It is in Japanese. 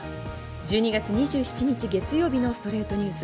１２月２７日、月曜日の『ストレイトニュース』。